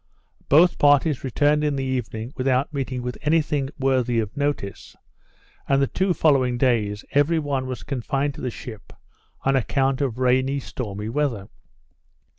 Both parties returned in the evening without meeting with any thing worthy of notice; and the two following days, every one was confined to the ship on account of rainy stormy weather.